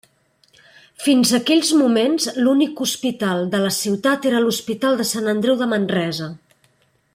Fins aquells moments, l'únic hospital de la ciutat era l'Hospital de Sant Andreu de Manresa.